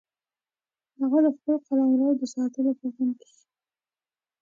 هغه د خپل قلمرو د ساتلو په غم کې شي.